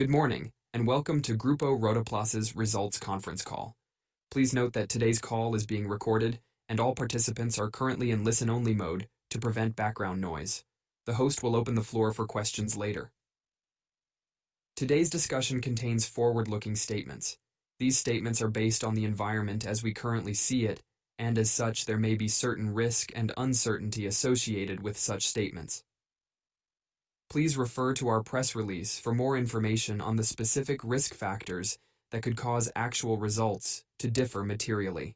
Good morning, and welcome to Grupo Rotoplas' Results Conference Call. Please note that today's call is being recorded, and all participants are currently in listen-only mode to prevent background noise. The host will open the floor for questions later. Today's discussion contains forward-looking statements. These statements are based on the environment as we currently see it, and as such, there may be certain risk and uncertainty associated with such statements. Please refer to our press release for more information on the specific risk factors that could cause actual results to differ materially.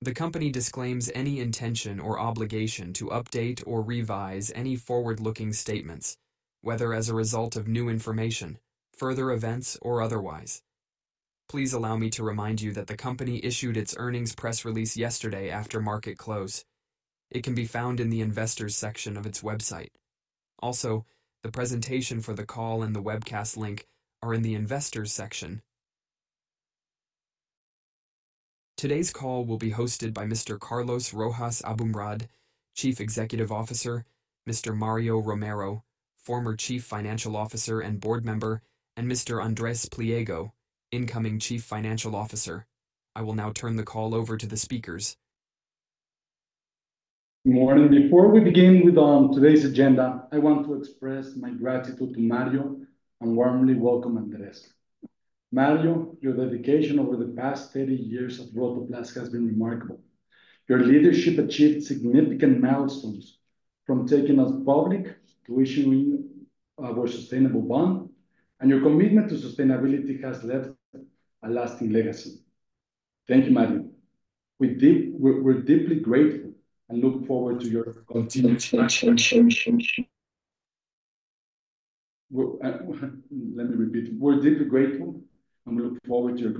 The company disclaims any intention or obligation to update or revise any forward-looking statements, whether as a result of new information, further events, or otherwise. Please allow me to remind you that the company issued its earnings press release yesterday after market close. It can be found in the Investors section of its website. Also, the presentation for the call and the webcast link are in the Investors section. Today's call will be hosted by Mr. Carlos Rojas Aboumrad, Chief Executive Officer, Mr. Mario Romero, former Chief Financial Officer and board member, and Mr. Andrés Pliego, incoming Chief Financial Officer. I will now turn the call over to the speakers. Good morning. Before we begin with today's agenda, I want to express my gratitude to Mario and warmly welcome Andrés. Mario, your dedication over the past thirty years of Rotoplas has been remarkable. Your leadership achieved significant milestones, from taking us public to issuing our sustainable bond, and your commitment to sustainability has left a lasting legacy. Thank you, Mario. We're deeply grateful and look forward to your continued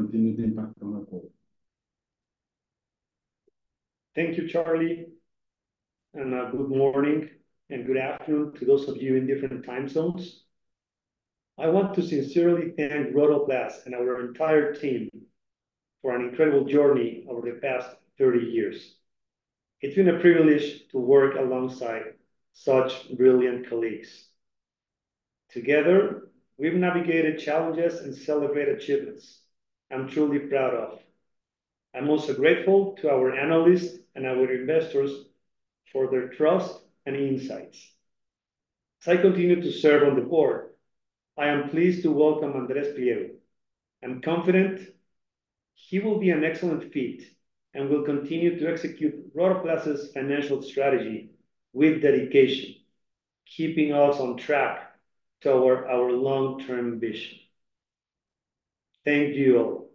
impact on our goal. Thank you, Charlie, and good morning, and good afternoon to those of you in different time zones. I want to sincerely thank Rotoplas and our entire team for an incredible journey over the past thirty years. It's been a privilege to work alongside such brilliant colleagues. Together, we've navigated challenges and celebrated achievements I'm truly proud of. I'm also grateful to our analysts and our investors for their trust and insights. As I continue to serve on the board, I am pleased to welcome Andrés Pliego. I'm confident he will be an excellent fit and will continue to execute Rotoplas' financial strategy with dedication, keeping us on track toward our long-term vision. Thank you all.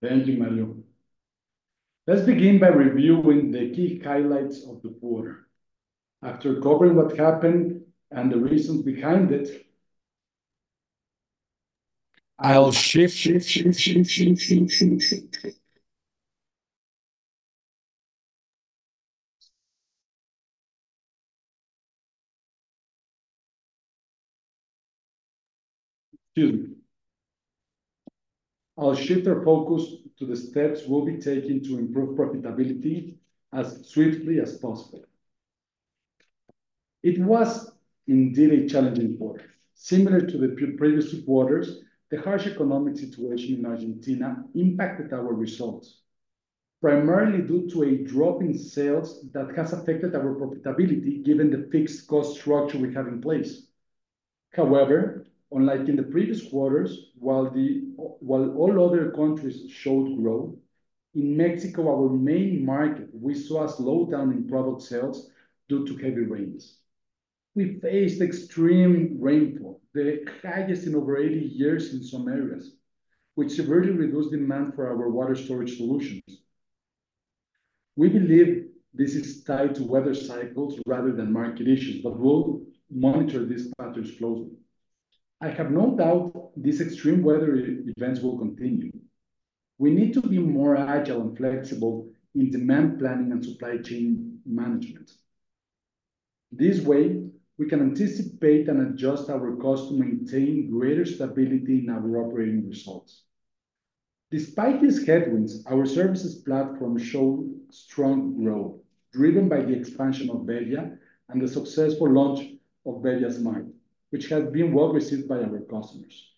Thank you, Mario. Let's begin by reviewing the key highlights of the quarter. After covering what happened and the reasons behind it, I'll shift. Excuse me. I'll shift our focus to the steps we'll be taking to improve profitability as swiftly as possible. It was indeed a challenging quarter. Similar to the pre-previous quarters, the harsh economic situation in Argentina impacted our results, primarily due to a drop in sales that has affected our profitability, given the fixed cost structure we have in place. However, unlike in the previous quarters, while all other countries showed growth, in Mexico, our main market, we saw a slowdown in product sales due to heavy rains. We faced extreme rainfall, the highest in over eighty years in some areas, which severely reduced demand for our water storage solutions. We believe this is tied to weather cycles rather than market issues, but we'll monitor these patterns closely. I have no doubt these extreme weather events will continue. We need to be more agile and flexible in demand planning and supply chain management. This way, we can anticipate and adjust our costs to maintain greater stability in our operating results. Despite these headwinds, our services platform showed strong growth, driven by the expansion of bebbia and the successful launch of bebbia Smart, which has been well received by our customers.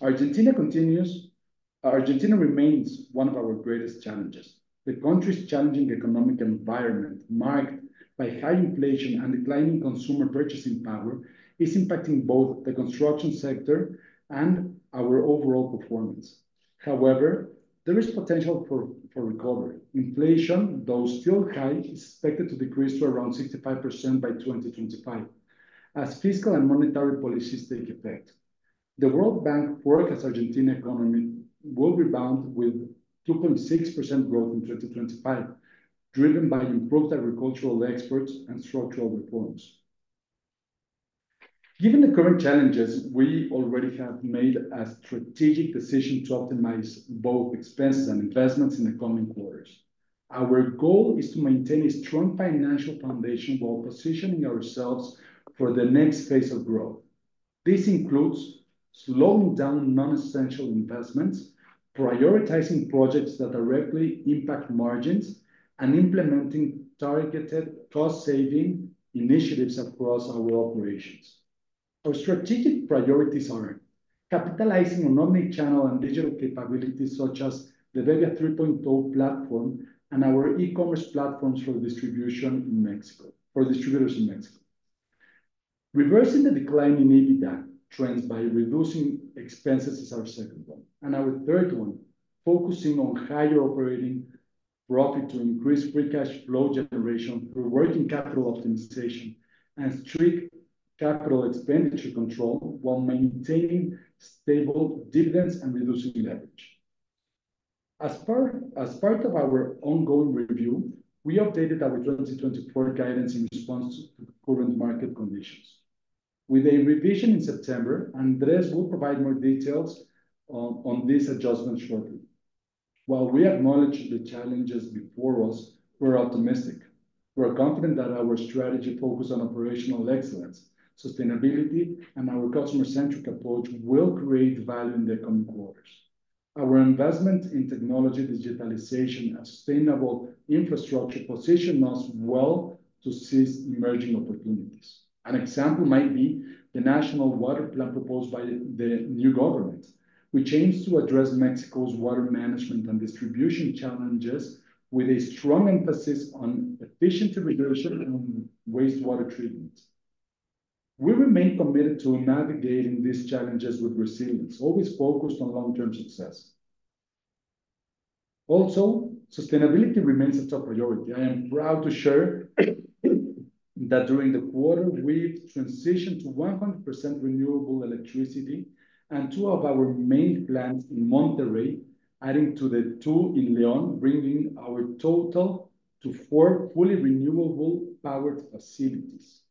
Argentina remains one of our greatest challenges. The country's challenging economic environment, marked by high inflation and declining consumer purchasing power, is impacting both the construction sector and our overall performance. However, there is potential for recovery. Inflation, though still high, is expected to decrease to around 65% by 2025 as fiscal and monetary policies take effect. The World Bank forecasts Argentina economy will rebound with 2.6% growth in 2025, driven by improved agricultural exports and structural reforms. Given the current challenges, we already have made a strategic decision to optimize both expenses and investments in the coming quarters. Our goal is to maintain a strong financial foundation while positioning ourselves for the next phase of growth. This includes slowing down non-essential investments, prioritizing projects that directly impact margins, and implementing targeted cost-saving initiatives across our operations. Our strategic priorities are: capitalizing on omnichannel and digital capabilities, such as the bebbia 3.0 platform and our e-commerce platforms for distribution in Mexico, for distributors in Mexico. Reversing the decline in EBITDA trends by reducing expenses is our second one, and our third one, focusing on higher operating profit to increase free cash flow generation through working capital optimization and strict capital expenditure control while maintaining stable dividends and reducing leverage. As part of our ongoing review, we updated our 2024 guidance in response to the current market conditions. With a revision in September, Andrés will provide more details on this adjustment shortly. While we acknowledge the challenges before us, we're optimistic. We're confident that our strategy focused on operational excellence, sustainability, and our customer-centric approach will create value in the coming quarters. Our investment in technology, digitalization, and sustainable infrastructure position us well to seize emerging opportunities. An example might be the national water plan proposed by the new government, which aims to address Mexico's water management and distribution challenges with a strong emphasis on efficiency reduction and wastewater treatment. We remain committed to navigating these challenges with resilience, always focused on long-term success. Also, sustainability remains a top priority. I am proud to share that during the quarter, we transitioned to 100% renewable electricity and two of our main plants in Monterrey, adding to the two in León, bringing our total to four fully renewable powered facilities.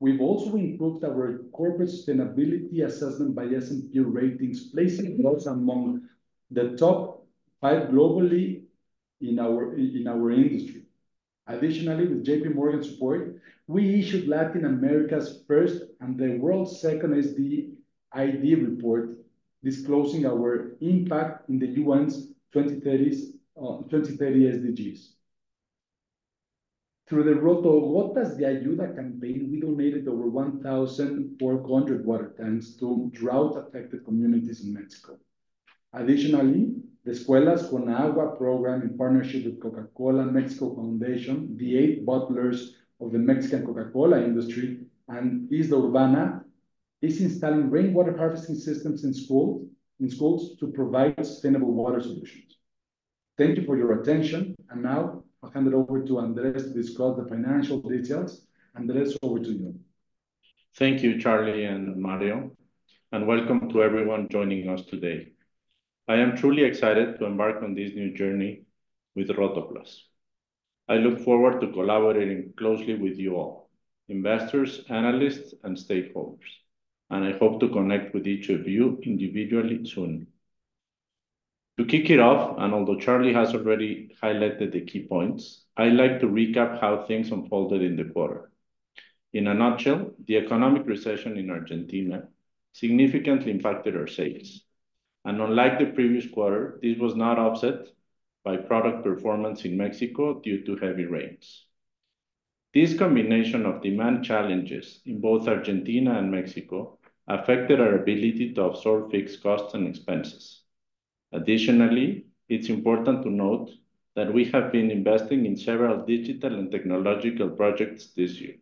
We've also improved our corporate sustainability assessment by S&P Ratings, placing us among the top five globally in our industry. Additionally, with J.P. Morgan's support, we issued Latin America's first and the world's second SD-KPI report, disclosing our impact in the UN's 2030 SDGs. Through the Roto Gotas de Ayuda campaign, we donated over one thousand four hundred water tanks to drought-affected communities in Mexico. Additionally, the Escuelas con Agua program, in partnership with Coca-Cola Mexico Foundation, the eight bottlers of the Mexican Coca-Cola industry, and Isla Urbana, is installing rainwater harvesting systems in schools to provide sustainable water solutions. Thank you for your attention, and now I'll hand it over to Andrés to discuss the financial details. Andrés, over to you. Thank you, Charlie and Mario, and welcome to everyone joining us today. I am truly excited to embark on this new journey with Rotoplas. I look forward to collaborating closely with you all, investors, analysts, and stakeholders, and I hope to connect with each of you individually soon. To kick it off, and although Charlie has already highlighted the key points, I'd like to recap how things unfolded in the quarter. In a nutshell, the economic recession in Argentina significantly impacted our sales, and unlike the previous quarter, this was not offset by product performance in Mexico due to heavy rains. This combination of demand challenges in both Argentina and Mexico affected our ability to absorb fixed costs and expenses. Additionally, it's important to note that we have been investing in several digital and technological projects this year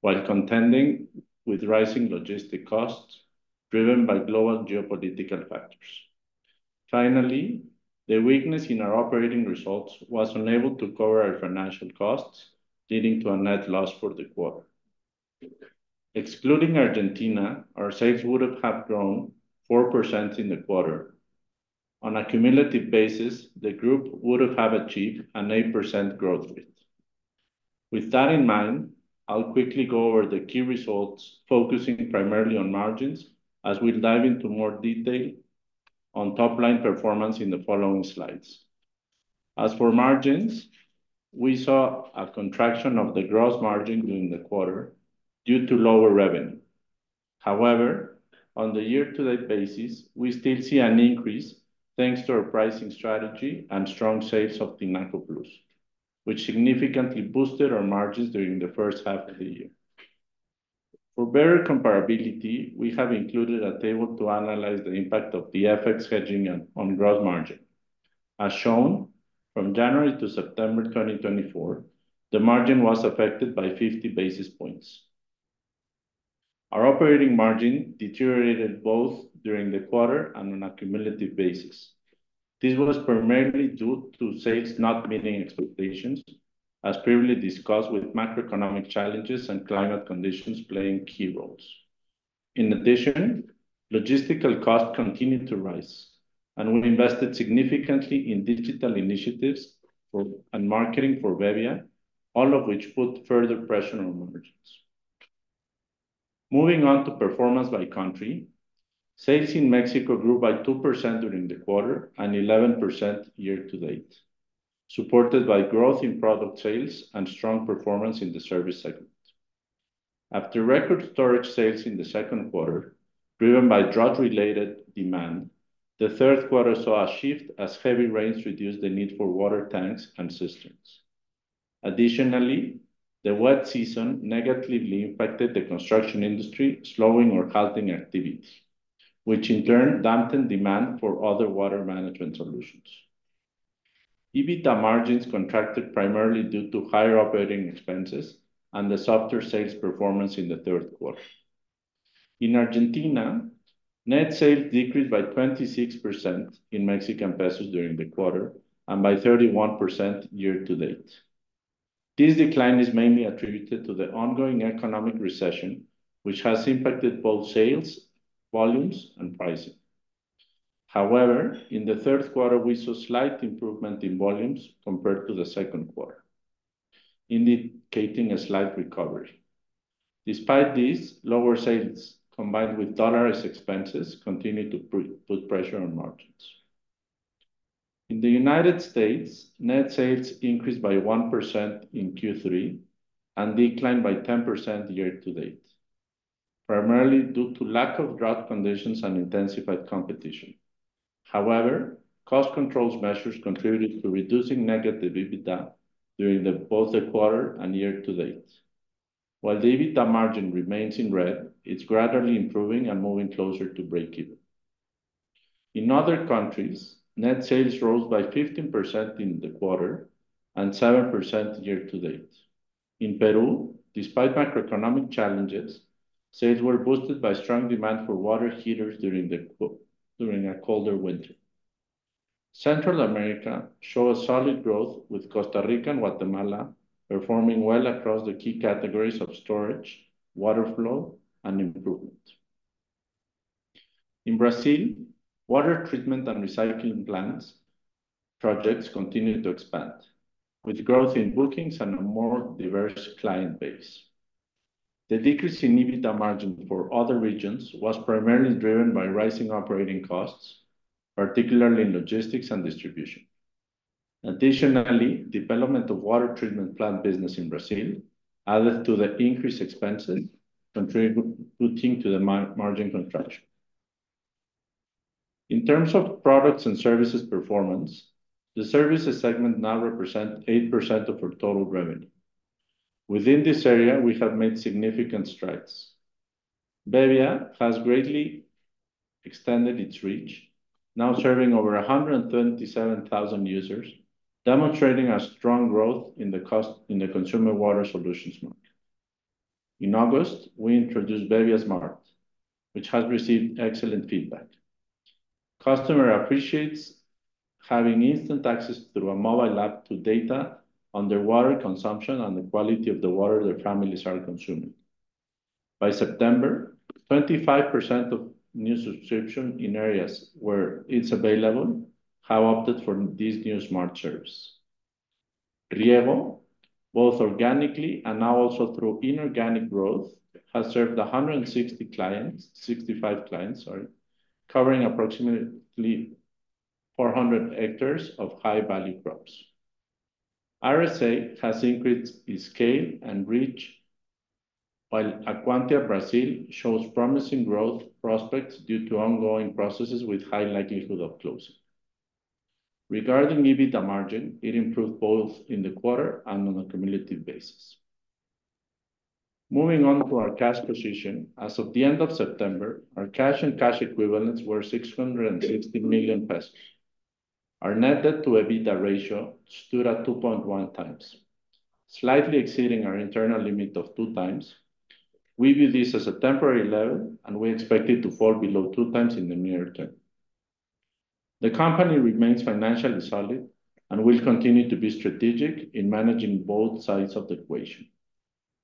while contending with rising logistic costs driven by global geopolitical factors. Finally, the weakness in our operating results was unable to cover our financial costs, leading to a net loss for the quarter. Excluding Argentina, our sales would have had grown 4% in the quarter. On a cumulative basis, the group would have had achieved an 8% growth rate. With that in mind, I'll quickly go over the key results, focusing primarily on margins, as we'll dive into more detail on top-line performance in the following slides. As for margins, we saw a contraction of the gross margin during the quarter due to lower revenue. However, on the year-to-date basis, we still see an increase, thanks to our pricing strategy and strong sales of Tinaco Plus, which significantly boosted our margins during the first half of the year. For better comparability, we have included a table to analyze the impact of the FX hedging on gross margin. As shown, from January to September 2024, the margin was affected by 50 basis points. Our operating margin deteriorated both during the quarter and on a cumulative basis. This was primarily due to sales not meeting expectations, as previously discussed, with macroeconomic challenges and climate conditions playing key roles. In addition, logistical costs continued to rise, and we've invested significantly in digital initiatives and marketing for bebbia, all of which put further pressure on margins. Moving on to performance by country, sales in Mexico grew by 2% during the quarter and 11% year to date, supported by growth in product sales and strong performance in the service segment. After record storage sales in the second quarter, driven by drought-related demand, the third quarter saw a shift as heavy rains reduced the need for water tanks and cisterns. Additionally, the wet season negatively impacted the construction industry, slowing or halting activities, which in turn dampened demand for other water management solutions. EBITDA margins contracted primarily due to higher operating expenses and the softer sales performance in the third quarter. In Argentina, net sales decreased by 26% in Mexican pesos during the quarter and by 31% year to date. This decline is mainly attributed to the ongoing economic recession, which has impacted both sales, volumes, and pricing. However, in the third quarter, we saw slight improvement in volumes compared to the second quarter, indicating a slight recovery. Despite this, lower sales, combined with dollarized expenses, continued to put pressure on margins. In the United States, net sales increased by 1% in Q3 and declined by 10% year to date, primarily due to lack of drought conditions and intensified competition. However, cost control measures contributed to reducing negative EBITDA during both the quarter and year to date. While the EBITDA margin remains in red, it's gradually improving and moving closer to breakeven. In other countries, net sales rose by 15% in the quarter and 7% year to date. In Peru, despite macroeconomic challenges, sales were boosted by strong demand for water heaters during a colder winter. Central America showed a solid growth, with Costa Rica and Guatemala performing well across the key categories of storage, water flow, and improvement. In Brazil, water treatment and recycling plants projects continued to expand, with growth in bookings and a more diverse client base. The decrease in EBITDA margin for other regions was primarily driven by rising operating costs, particularly in logistics and distribution. Additionally, development of water treatment plant business in Brazil added to the increased expenses, contributing to the margin contraction. In terms of products and services performance, the services segment now represent 8% of our total revenue. Within this area, we have made significant strides. bebbia has greatly extended its reach, now serving over 137,000 users, demonstrating a strong growth in the consumer water solutions market. In August, we introduced bebbia Smart, which has received excellent feedback. Customer appreciates having instant access through a mobile app to data on their water consumption and the quality of the water their families are consuming. By September, 25% of new subscription in areas where it's available have opted for these new smart service. Riego, both organically and now also through inorganic growth, has served 160 clients... 65 clients, sorry, covering approximately 400 hectares of high-value crops. Riego has increased its scale and reach, while Acuantia Brazil shows promising growth prospects due to ongoing processes with high likelihood of closing. Regarding EBITDA margin, it improved both in the quarter and on a cumulative basis. Moving on to our cash position, as of the end of September, our cash and cash equivalents were 660 million pesos. Our net debt to EBITDA ratio stood at 2.1 times, slightly exceeding our internal limit of 2 times. We view this as a temporary level, and we expect it to fall below 2 times in the near term. The company remains financially solid and will continue to be strategic in managing both sides of the equation,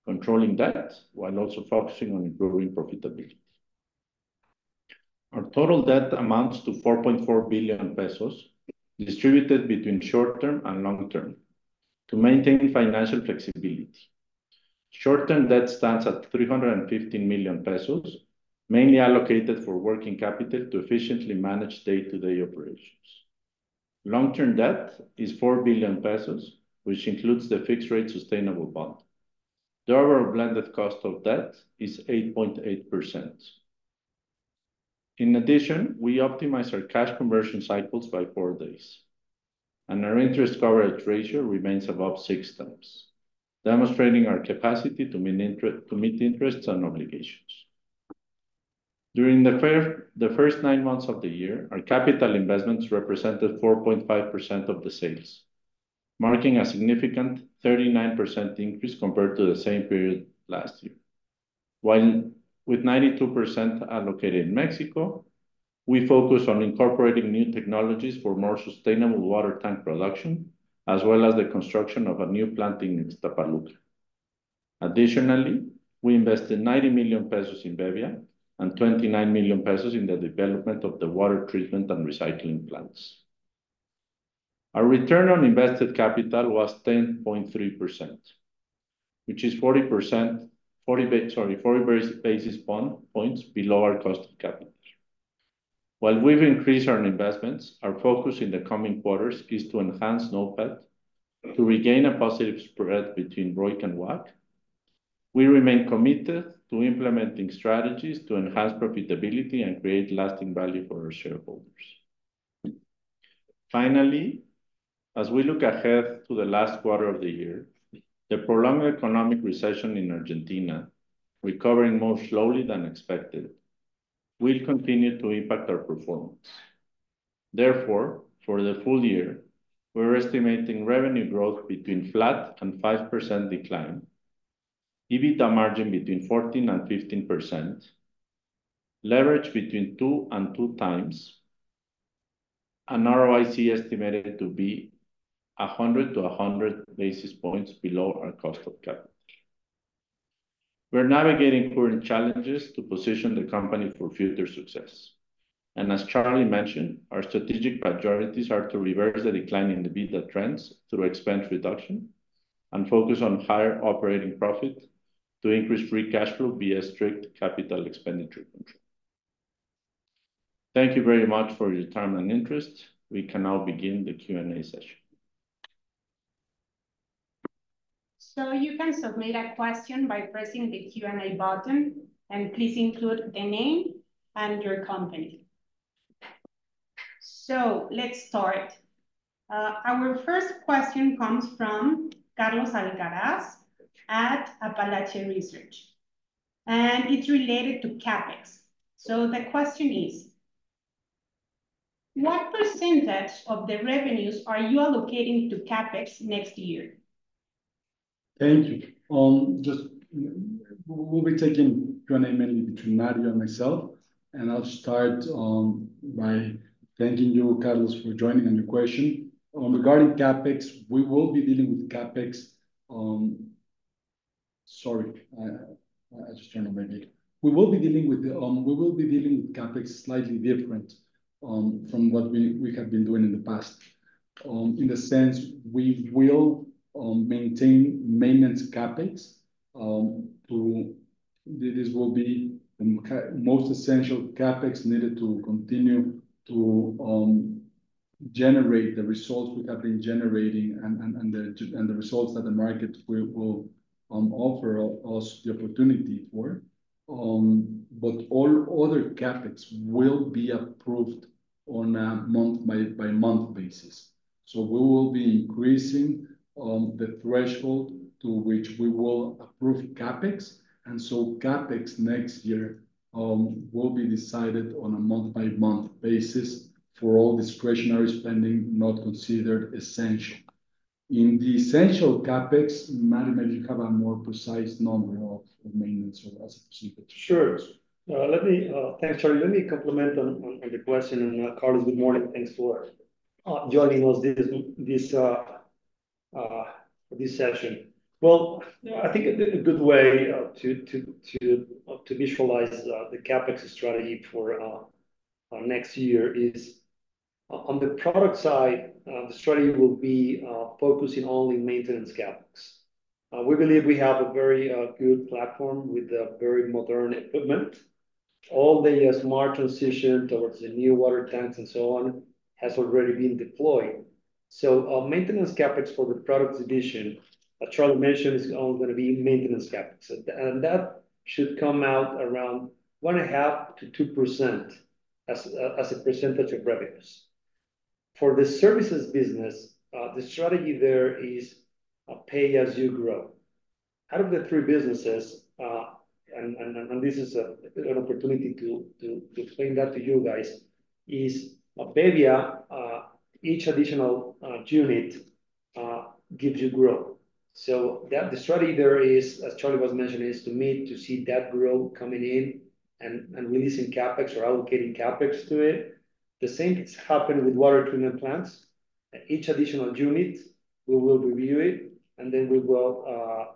controlling debt while also focusing on improving profitability. Our total debt amounts to 4.4 billion pesos, distributed between short term and long term to maintain financial flexibility. Short-term debt stands at 350 million pesos, mainly allocated for working capital to efficiently manage day-to-day operations. Long-term debt is 4 billion pesos, which includes the fixed rate sustainable bond. The overall blended cost of debt is 8.8%. In addition, we optimized our cash conversion cycles by four days, and our interest coverage ratio remains above six times, demonstrating our capacity to meet interests and obligations. During the first nine months of the year, our capital investments represented 4.5% of the sales, marking a significant 39% increase compared to the same period last year. While with 92% allocated in Mexico, we focus on incorporating new technologies for more sustainable water tank production, as well as the construction of a new plant in Ixtapaluca. Additionally, we invested 90 million pesos in bebbia and 29 million pesos in the development of the water treatment and recycling plants. Our return on invested capital was 10.3%, which is forty basis points below our cost of capital.... While we've increased our investments, our focus in the coming quarters is to enhance NOPAT to regain a positive spread between ROIC and WACC. We remain committed to implementing strategies to enhance profitability and create lasting value for our shareholders. Finally, as we look ahead to the last quarter of the year, the prolonged economic recession in Argentina, recovering more slowly than expected, will continue to impact our performance. Therefore, for the full year, we're estimating revenue growth between flat and 5% decline, EBITDA margin between 14% and 15%, Uncertain, and ROIC estimated to be 100 to 100 basis points below our cost of capital. We're navigating current challenges to position the company for future success, and as Charlie mentioned, our strategic priorities are to reverse the decline in the EBITDA trends through expense reduction and focus on higher operating profit to increase free cash flow via strict capital expenditure control. Thank you very much for your time and interest. We can now begin the Q&A session. You can submit a question by pressing the Q&A button, and please include the name and your company. Let's start. Our first question comes from Carlos Alcaraz at Apalache Análisis, and it's related to CapEx. The question is: What percentage of the revenues are you allocating to CapEx next year? Thank you. Just we'll be taking Q&A mainly between Mario and myself, and I'll start by thanking you, Carlos, for joining and your question. Regarding CapEx, we will be dealing with CapEx slightly different from what we have been doing in the past. In the sense we will maintain maintenance CapEx. This will be the most essential CapEx needed to continue to generate the results we have been generating and the results that the market will offer us the opportunity for. But all other CapEx will be approved on a month by month basis. So we will be increasing the threshold to which we will approve CapEx. CapEx next year will be decided on a month-by-month basis for all discretionary spending not considered essential. In the essential CapEx, Mario, maybe you have a more precise number of maintenance or as perceived. Sure. Let me... Thanks, Charlie. Let me comment on the question. And, Carlos, good morning, thanks for joining us this session. Well, I think a good way to visualize the CapEx strategy for next year is on the product side, the strategy will be focusing only maintenance CapEx. We believe we have a very good platform with a very modern equipment. All the smart transition towards the new water tanks and so on, has already been deployed. So, maintenance CapEx for the products division, as Charlie mentioned, is only gonna be maintenance CapEx, and that should come out around 1.5%-2% as a percentage of revenues. For the services business, the strategy there is a pay as you grow. Out of the three businesses, and this is an opportunity to explain that to you guys, is bebbia each additional unit gives you growth. So the strategy there is, as Charlie was mentioning, to see that growth coming in and releasing CapEx or allocating CapEx to it. The same is happening with water treatment plants. Each additional unit, we will review it, and then we will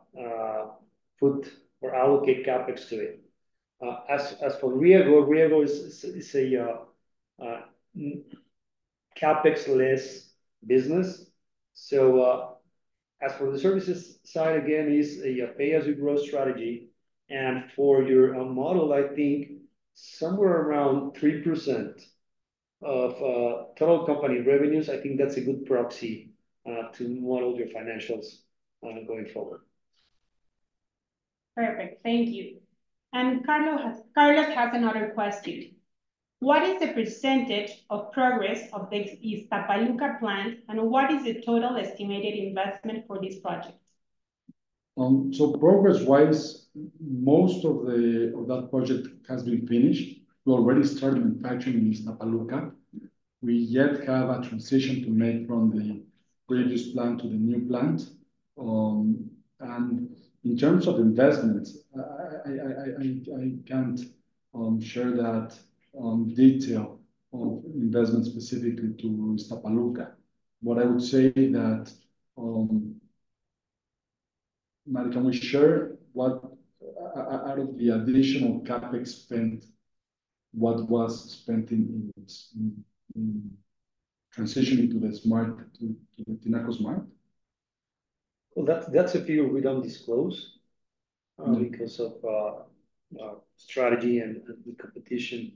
put or allocate CapEx to it. As for Riego, Riego is a CapEx-less business. So, as for the services side, again, is a pay as you grow strategy. For your model, I think somewhere around 3% of total company revenues. I think that's a good proxy to model your financials going forward. Perfect. Thank you. Carlos has another question: What is the percentage of progress of the Ixtapaluca plant, and what is the total estimated investment for this project? So progress-wise, most of that project has been finished. We already started manufacturing in Ixtapaluca. We yet have a transition to make from the previous plant to the new plant. And in terms of investment, I can't share that detail of investment specifically to Ixtapaluca. What I would say that... Mario, can we share what out of the additional CapEx spent, what was spent in transitioning to the smart, to Tinaco Smart?... Well, that's a figure we don't disclose because of strategy and the competition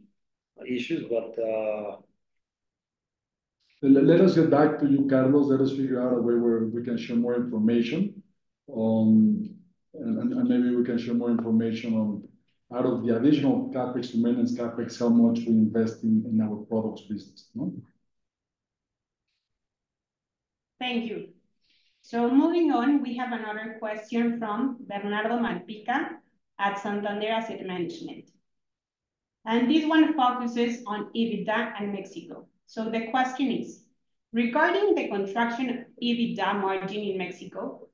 issues. But, Let us get back to you, Carlos. Let us figure out a way where we can share more information, and maybe we can share more information on our additional CapEx, maintenance CapEx, how much we invest in our products business, no? Thank you. So moving on, we have another question from Bernardo Malpica at Santander Asset Management, and this one focuses on EBITDA and Mexico. So the question is: regarding the contraction of EBITDA margin in Mexico,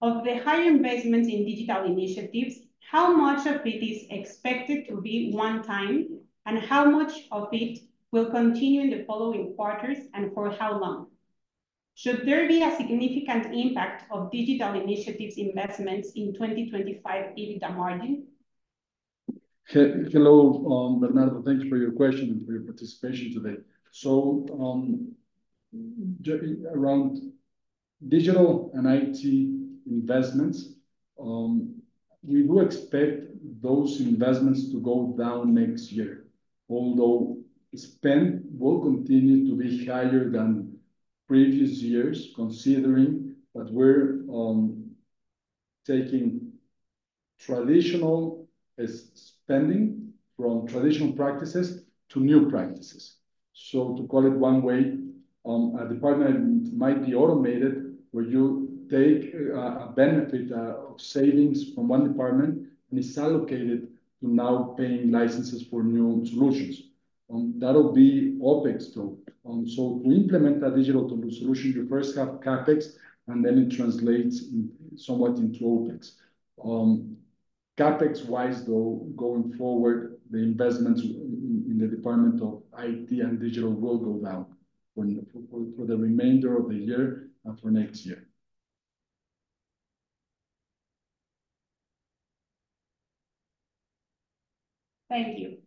of the high investments in digital initiatives, how much of it is expected to be one time, and how much of it will continue in the following quarters, and for how long? Should there be a significant impact of digital initiatives investments in 2025 EBITDA margin? Hello, Bernardo, thank you for your question and for your participation today. So, around digital and IT investments, we do expect those investments to go down next year. Although spend will continue to be higher than previous years, considering that we're taking traditional spending from traditional practices to new practices. So to call it one way, a department might be automated, where you take a benefit of savings from one department, and it's allocated to now paying licenses for new solutions. That'll be OpEx, though. So to implement a digital solution, you first have CapEx, and then it translates somewhat into OpEx. CapEx-wise, though, going forward, the investments in the department of IT and digital will go down for the remainder of the year and for next year. Thank you.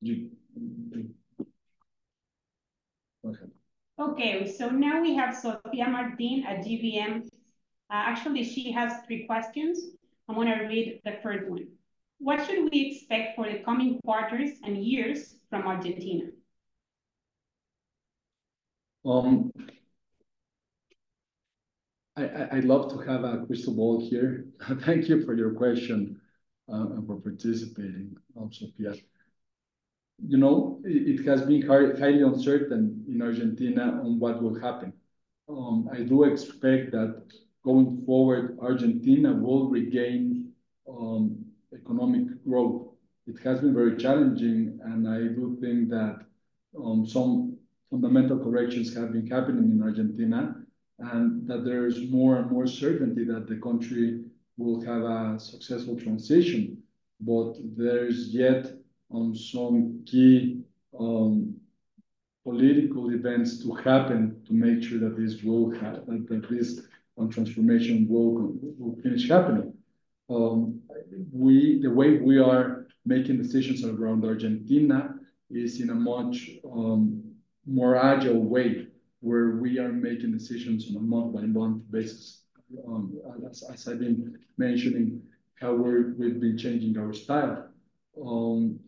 You... Welcome. Okay, so now we have Sofía Martín at GBM. Actually, she has three questions. I'm gonna read the first one: What should we expect for the coming quarters and years from Argentina? I'd love to have a crystal ball here. Thank you for your question, and for participating also, Sofía. You know, it has been highly uncertain in Argentina on what will happen. I do expect that going forward, Argentina will regain economic growth. It has been very challenging, and I do think that some fundamental corrections have been happening in Argentina, and that there is more and more certainty that the country will have a successful transition. But there is yet some key political events to happen to make sure that this will. At least transformation will finish happening. The way we are making decisions around Argentina is in a much more agile way, where we are making decisions on a month-by-month basis. As I've been mentioning, we've been changing our style.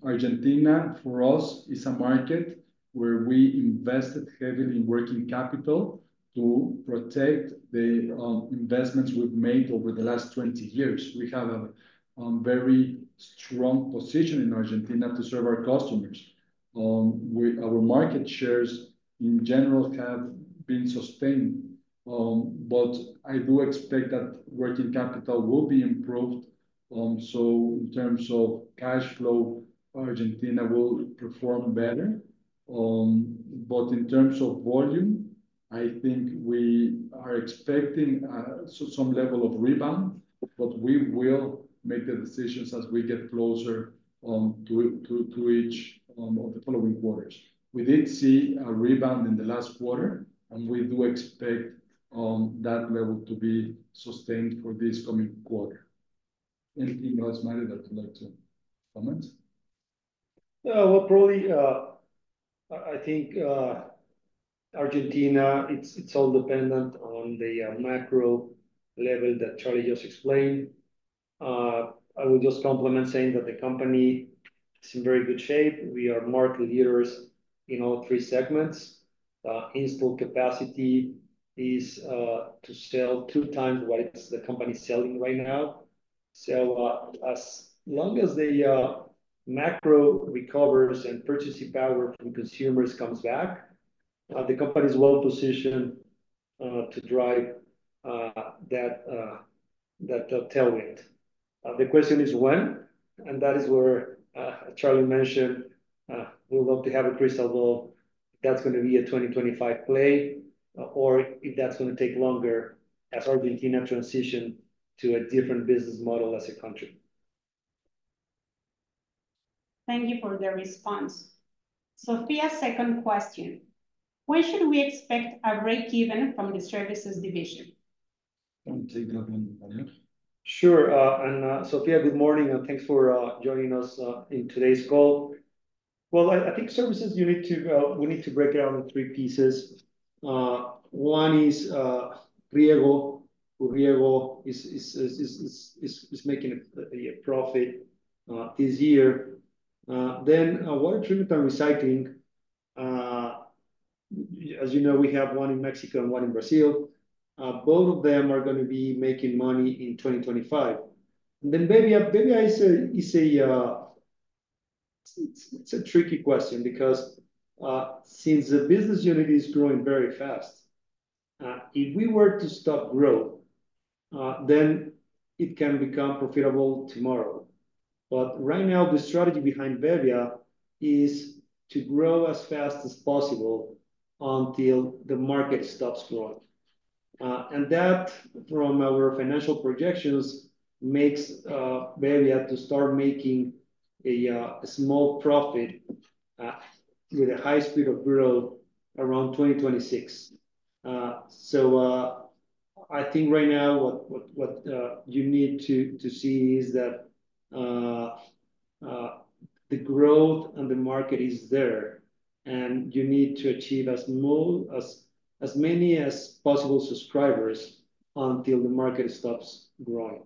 Argentina, for us, is a market where we invested heavily in working capital to protect the investments we've made over the last twenty years. We have a very strong position in Argentina to serve our customers. Our market shares, in general, have been sustained. But I do expect that working capital will be improved. So in terms of cash flow, Argentina will perform better. But in terms of volume, I think we are expecting some level of rebound, but we will make the decisions as we get closer to each of the following quarters. We did see a rebound in the last quarter, and we do expect that level to be sustained for this coming quarter. Anything else, Mario, that you'd like to comment? Probably, I think Argentina, it's all dependent on the macro level that Charlie just explained. I would just complement saying that the company is in very good shape. We are market leaders in all three segments. Installed capacity is to sell two times what the company is selling right now. So, as long as the macro recovers and purchasing power from consumers comes back, the company is well positioned to drive that tailwind. The question is when, and that is where Charlie mentioned we would love to have a crystal ball. That's going to be a 2025 play, or if that's going to take longer as Argentina transitions to a different business model as a country. Thank you for the response. Sofía's second question: When should we expect a break even from the services division? You want to take that one, Mario? Sure. And, Sofía, good morning, and thanks for joining us in today's call. Well, I think services. We need to break it down in three pieces. One is Riego. Riego is making a profit this year. Then, water treatment and recycling, as you know, we have one in Mexico and one in Brazil. Both of them are gonna be making money in twenty twenty-five. And then bebbia. It's a tricky question because since the business unit is growing very fast, if we were to stop growth, then it can become profitable tomorrow. But right now, the strategy behind bebbia is to grow as fast as possible until the market stops growing. And that, from our financial projections, makes bebbia to start making a small profit with a high speed of growth around 2026. So, I think right now, what you need to see is that the growth and the market is there, and you need to achieve as many as possible subscribers until the market stops growing.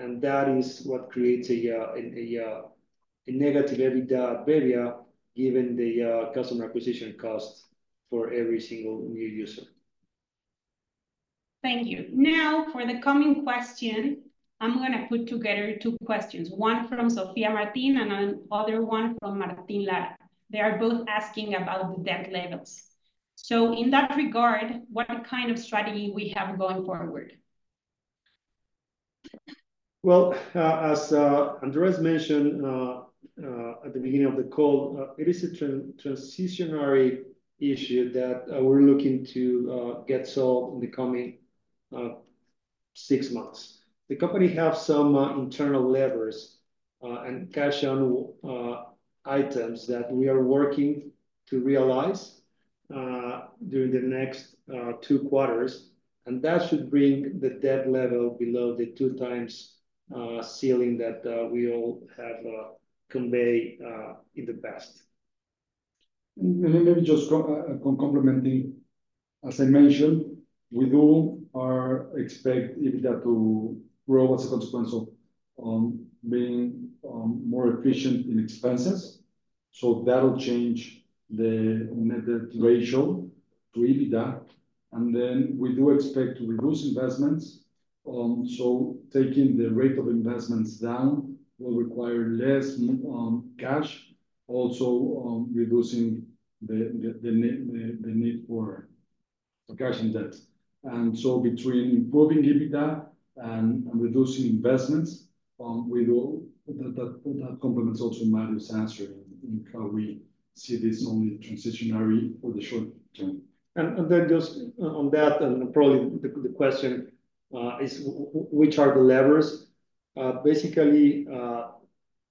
And that is what creates a negative EBITDA bebbia, given the customer acquisition cost for every single new user. Thank you. Now, for the coming question, I'm gonna put together two questions, one from Sofía Martín and another one from Martín Lara. They are both asking about the debt levels. So in that regard, what kind of strategy we have going forward? As Andrés mentioned at the beginning of the call, it is a transitional issue that we're looking to get solved in the coming six months. The company have some internal levers and cash on items that we are working to realize during the next two quarters, and that should bring the debt level below the two times ceiling that we all have conveyed in the past. And maybe just complementing, as I mentioned, we do expect EBITDA to grow as a consequence of being more efficient in expenses, so that'll change the Net Debt to EBITDA. And then we do expect to reduce investments, so taking the rate of investments down will require less cash. Also, reducing the need for cash and debt. And so between improving EBITDA and reducing investments, we will. That complements also Mario's answer in how we see this only transitory for the short term. Then just on that, and probably the question is which are the levers? Basically,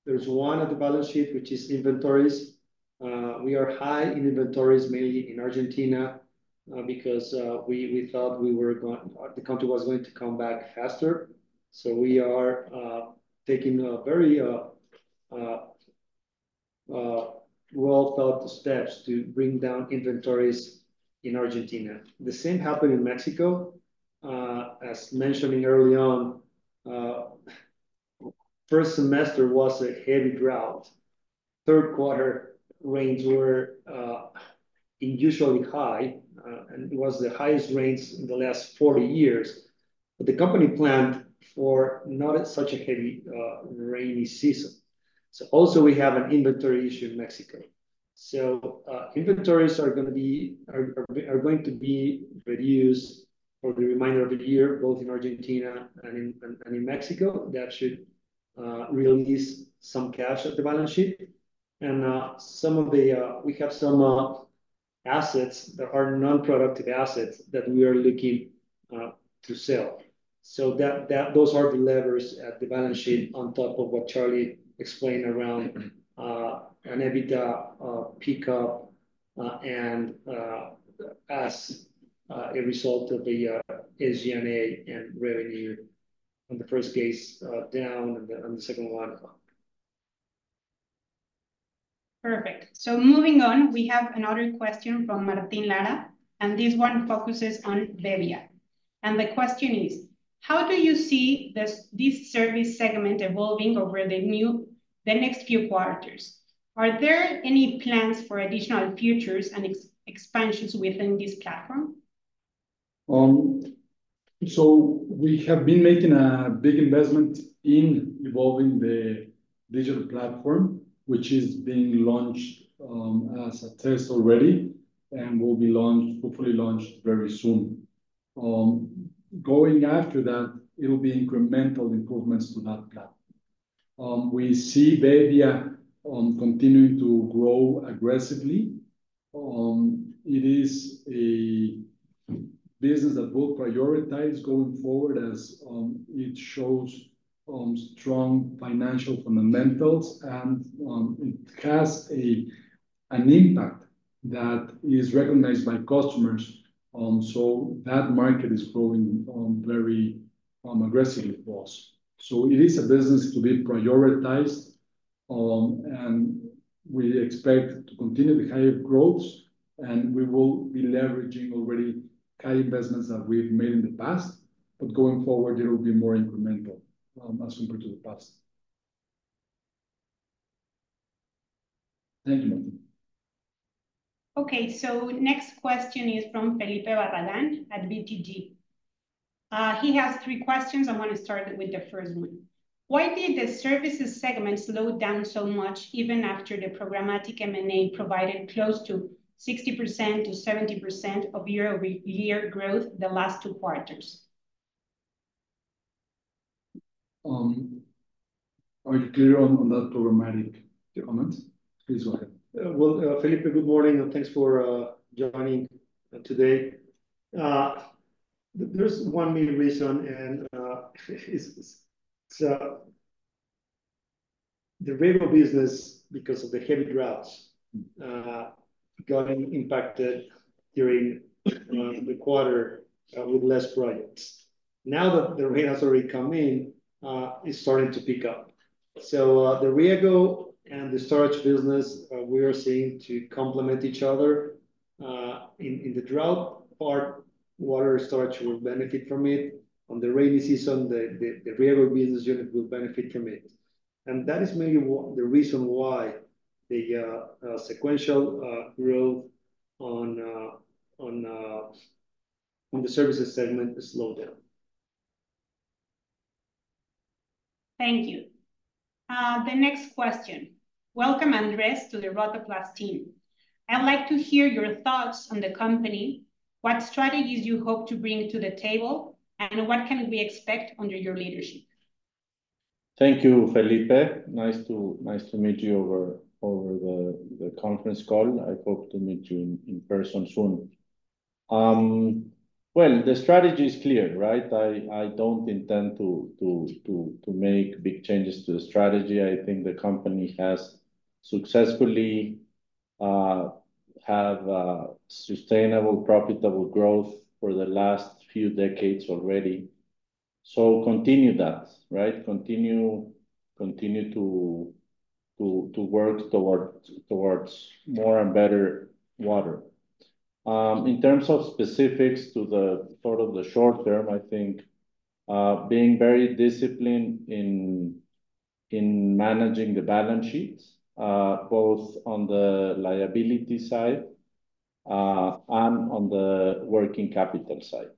there's one at the balance sheet, which is inventories. We are high in inventories, mainly in Argentina, because we thought we were going—the country was going to come back faster. We are taking a very well-thought steps to bring down inventories in Argentina. The same happened in Mexico. As mentioned earlier on, first semester was a heavy drought. Third quarter rains were unusually high, and it was the highest rains in the last forty years. The company planned for not such a heavy rainy season. We also have an inventory issue in Mexico. Inventories are gonna be reduced for the remainder of the year, both in Argentina and in Mexico. That should release some cash at the balance sheet. Some of the... We have some assets that are non-productive assets that we are looking to sell. So those are the levers at the balance sheet, on top of what Charlie explained around an EBITDA pickup, and as a result of the SG&A and revenue. In the first case, down, and on the second one, up. Perfect. So moving on, we have another question from Martín Lara, and this one focuses on bebbia. And the question is: How do you see this service segment evolving over the next few quarters? Are there any plans for additional features and expansions within this platform? So we have been making a big investment in evolving the digital platform, which is being launched as a test already, and will be launched, hopefully launched very soon. Going after that, it'll be incremental improvements to that platform. We see bebbia continuing to grow aggressively. It is a business that we'll prioritize going forward as it shows strong financial fundamentals, and it has a-... an impact that is recognized by customers. That market is growing very aggressively for us. It is a business to be prioritized. We expect to continue the higher growth, and we will be leveraging already high investments that we've made in the past, but going forward, it will be more incremental as compared to the past. Thank you, Martín. Okay, so next question is from Felipe Barragán at BTG. He has three questions. I'm gonna start with the first one. Why did the services segment slow down so much, even after the programmatic M&A provided close to 60%-70% of year-over-year growth the last two quarters? Are you clear on that programmatic comments? Please go ahead. Well, Felipe, good morning, and thanks for joining today. There's one main reason, and it's the Riego business, because of the heavy droughts got impacted during the quarter with less projects. Now that the rain has already come in, it's starting to pick up. The Riego and the storage business we are seeing to complement each other. In the drought part, water storage will benefit from it. On the rainy season, the Riego business unit will benefit from it, and that is mainly what the reason why the sequential growth on the services segment slowed down. Thank you. The next question. Welcome, Andrés, to the Rotoplas team. I'd like to hear your thoughts on the company, what strategies you hope to bring to the table, and what can we expect under your leadership? Thank you, Felipe. Nice to meet you over the conference call. I hope to meet you in person soon. The strategy is clear, right? I don't intend to make big changes to the strategy. I think the company has successfully had sustainable, profitable growth for the last few decades already. Continue that, right? Continue to work toward more and better water. In terms of specifics to the sort of short term, I think being very disciplined in managing the balance sheets both on the liability side and on the working capital side.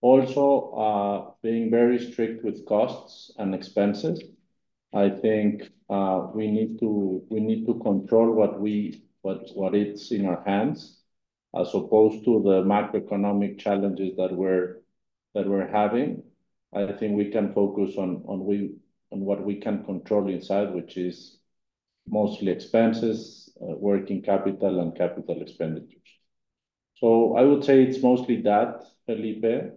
Also being very strict with costs and expenses. I think we need to control what it's in our hands, as opposed to the macroeconomic challenges that we're having. I think we can focus on what we can control inside, which is mostly expenses, working capital, and capital expenditures. So I would say it's mostly that, Felipe.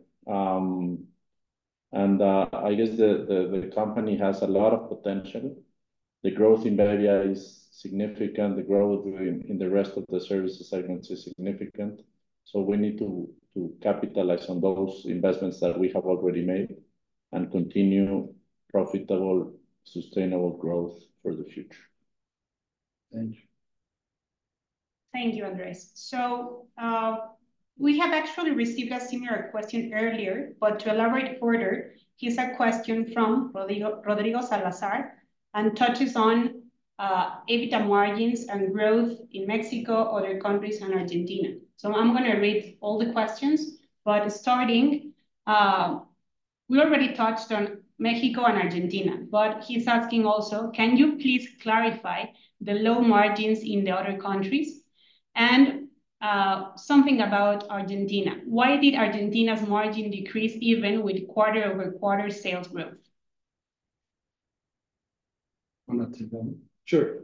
And I guess the company has a lot of potential. The growth in bebbia is significant. The growth in the rest of the service segments is significant. So we need to capitalize on those investments that we have already made and continue profitable, sustainable growth for the future. Thank you. Thank you, Andrés. So, we have actually received a similar question earlier, but to elaborate further, here's a question from Rodrigo, Rodrigo Salazar, and touches on EBITDA margins and growth in Mexico, other countries, and Argentina. So I'm gonna read all the questions, but starting, we already touched on Mexico and Argentina, but he's asking also: Can you please clarify the low margins in the other countries? And, something about Argentina. Why did Argentina's margin decrease even with quarter-over-quarter sales growth? You want me to take that one? Sure.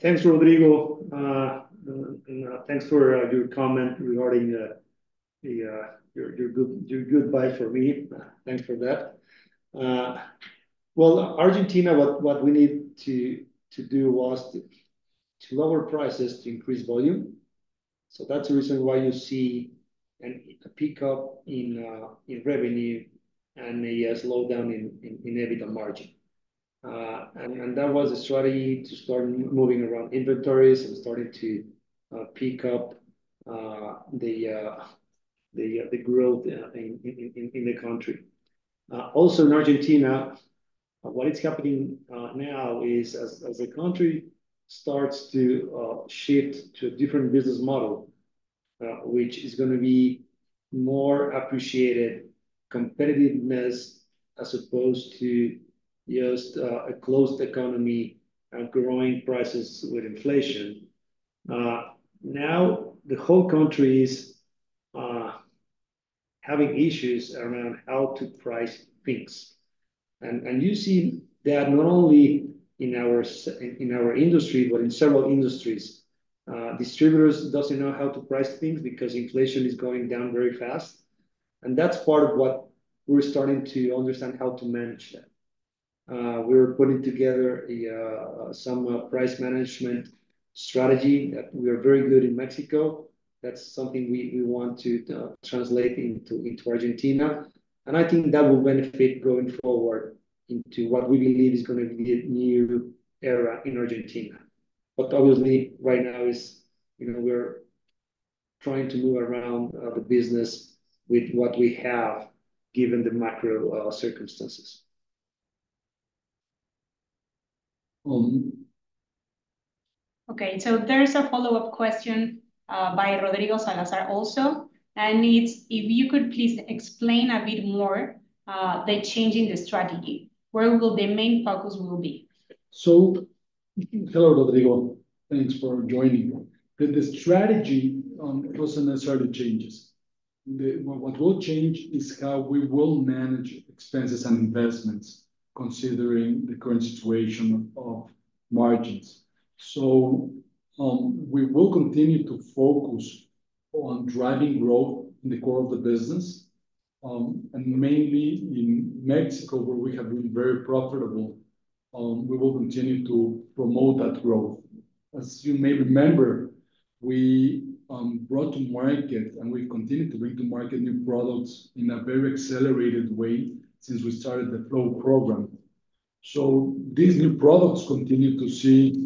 Thanks, Rodrigo. And thanks for your comment regarding your good vibe for me. Thanks for that. Well, Argentina, what we need to do was to lower prices, to increase volume. So that's the reason why you see a pickup in revenue and a slowdown in EBITDA margin. And that was a strategy to start moving around inventories and starting to pick up the growth in the country. Also in Argentina, what is happening now is, as the country starts to shift to a different business model, which is gonna be more appreciated competitiveness as opposed to just a closed economy and growing prices with inflation, now the whole country is having issues around how to price things. And you see that not only in our industry, but in several industries. Distributors doesn't know how to price things because inflation is going down very fast.... and that's part of what we're starting to understand how to manage that. We're putting together some price management strategy that we are very good in Mexico. That's something we want to translate into Argentina, and I think that will benefit going forward into what we believe is gonna be a new era in Argentina. But obviously, right now, you know, we're trying to move around the business with what we have, given the macro circumstances. Okay, so there is a follow-up question by Rodrigo Salazar also, and it's, if you could please explain a bit more, the change in the strategy. Where will the main focus will be? Hello, Rodrigo. Thanks for joining. The strategy doesn't necessarily changes. What will change is how we will manage expenses and investments considering the current situation of margins. We will continue to focus on driving growth in the core of the business, and mainly in Mexico, where we have been very profitable. We will continue to promote that growth. As you may remember, we brought to market, and we continue to bring to market, new products in a very accelerated way since we started the Flow program. So these new products continue to see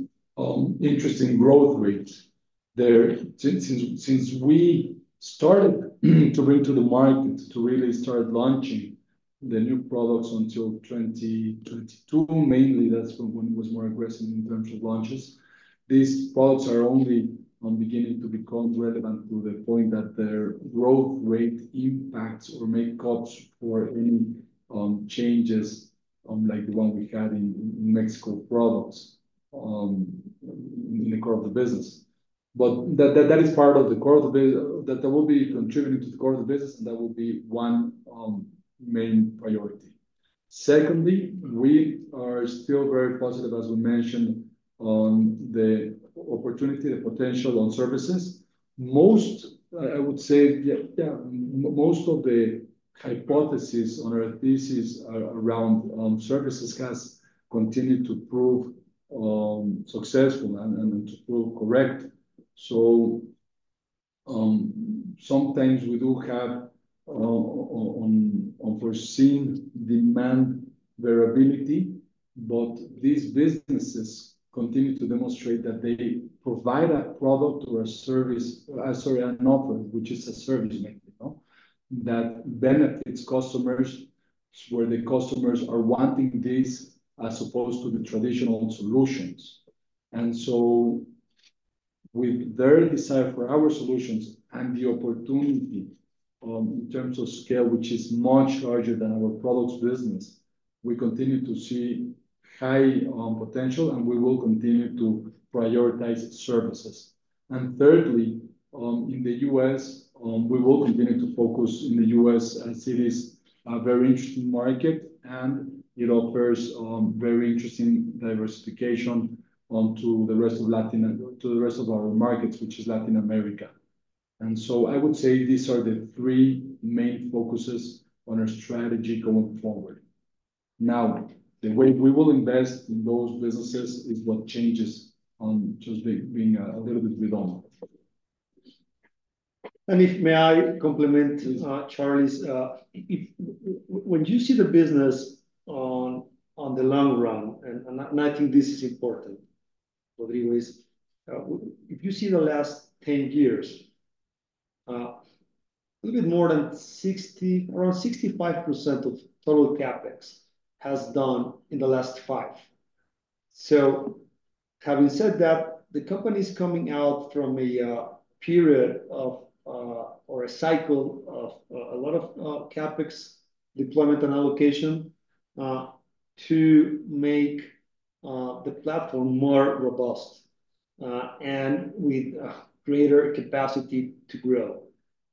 interesting growth rates. Since we started to bring to the market, to really start launching the new products until twenty twenty-two, mainly that's when it was more aggressive in terms of launches. These products are only beginning to become relevant to the point that their growth rate impacts or makes up for any changes like the one we had in Mexico products in the core of the business. But that is part of the core of the business that will be contributing to the core of the business, and that will be one main priority. Secondly, we are still very positive, as we mentioned, on the opportunity, the potential on services. Most I would say most of the hypothesis on our thesis around services has continued to prove successful and to prove correct. So, sometimes we do have unforeseen demand variability, but these businesses continue to demonstrate that they provide a product or a service, sorry, an offer, which is a service, you know, that benefits customers, where the customers are wanting this as opposed to the traditional solutions. And so we've decided for our solutions and the opportunity, in terms of scale, which is much larger than our products business. We continue to see high potential, and we will continue to prioritize services. And thirdly, in the US, we will continue to focus in the US and see this very interesting market and, you know, offers very interesting diversification to the rest of our markets, which is Latin America. And so I would say these are the three main focuses on our strategy going forward. Now, the way we will invest in those businesses is what changes, just being a little bit redone. May I compliment Charlie's. If when you see the business in the long run, and I think this is important, Rodrigo, if you see the last 10 years, a little bit more than 60, around 65% of total CapEx has done in the last 5. So having said that, the company is coming out from a period of, or a cycle of, a lot of CapEx deployment and allocation to make the platform more robust and with a greater capacity to grow.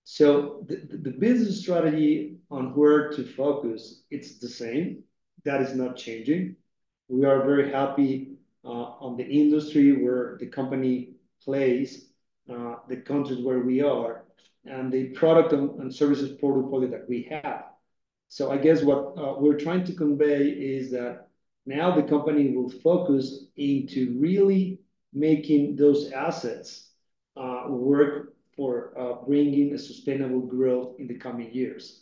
So the business strategy on where to focus, it's the same. That is not changing. We are very happy on the industry where the company plays, the countries where we are and the product and services portfolio that we have. So I guess what we're trying to convey is that now the company will focus into really making those assets work for bringing a sustainable growth in the coming years.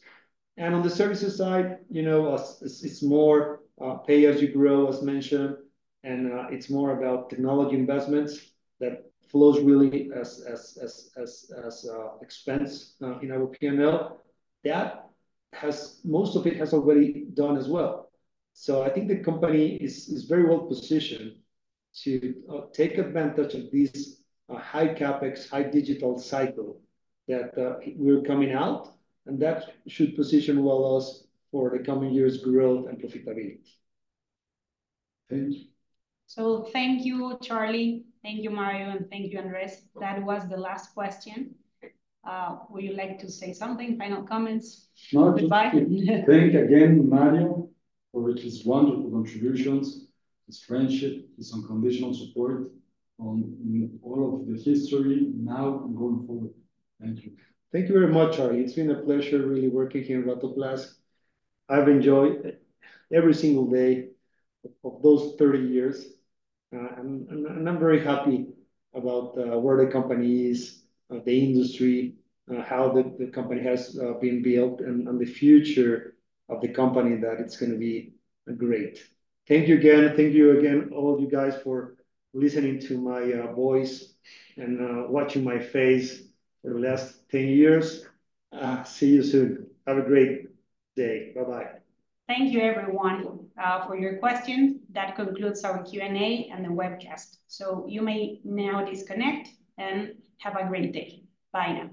And on the services side, you know, it's more pay as you grow, as mentioned, and it's more about technology investments that flows really as expense in our P&L. That has most of it has already done as well. So I think the company is very well positioned to take advantage of this high CapEx, high digital cycle that we're coming out, and that should position well us for the coming years, growth and profitability. Thanks. So thank you, Charlie. Thank you, Mario, and thank you, Andrés. That was the last question. Would you like to say something? Final comments. No, Goodbye. Thanks again, Mario, for his wonderful contributions, his friendship, his unconditional support on all of the history now and going forward. Thank you. Thank you very much, Charlie. It's been a pleasure really working here in Rotoplas. I've enjoyed every single day of those thirty years, and I'm very happy about where the company is, the industry, how the company has been built and the future of the company, that it's gonna be great. Thank you again. Thank you again, all of you guys, for listening to my voice and watching my face for the last ten years. See you soon. Have a great day. Bye-bye. Thank you everyone, for your questions. That concludes our Q&A and the webcast. So you may now disconnect and have a great day. Bye now.